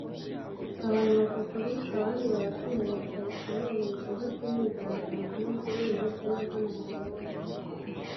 abantu batatu bishwe abandi barakomeretswa bikomeye mu bikorwa by’imyigaragambyo n’imvururu hirya no hino mu Burundi